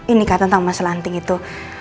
ini kata tentang masalah anting itu